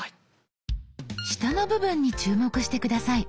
下の部分に注目して下さい。